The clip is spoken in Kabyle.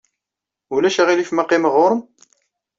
Ulac aɣilif ma qqimeɣ ɣer-m?